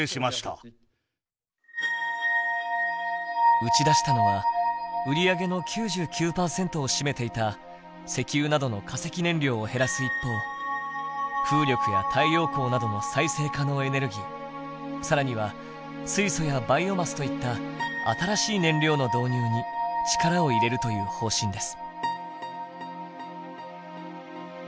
打ち出したのは売り上げの９９％を占めていた石油などの化石燃料を減らす一方風力や太陽光などの再生可能エネルギー更には水素やバイオマスといった新しい燃料の導入に力を入れるという方針です。